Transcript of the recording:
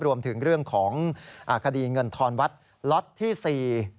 รวมถึงเรื่องของคดีเงินทอนวัดล็อตที่๔